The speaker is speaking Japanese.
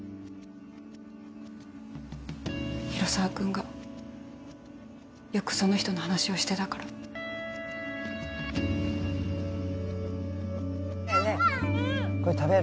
広沢君がよくその人の話をしてたからこれ食べる？